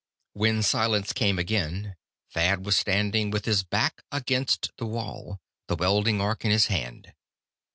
When silence came again, Thad was standing with his back against the wall, the welding arc in his hand.